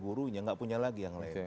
gurunya nggak punya lagi yang lain